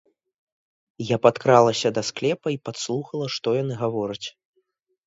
Я падкралася да склепа і падслухала, што яны гавораць.